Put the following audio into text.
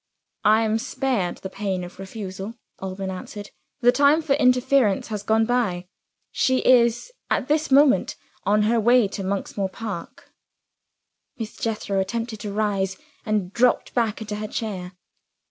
"I am spared the pain of refusal," Alban answered. "The time for interference has gone by. She is, at this moment, on her way to Monksmoor Park." Miss Jethro attempted to rise and dropped back into her chair.